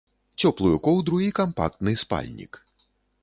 Цёплую коўдру і кампактны спальнік.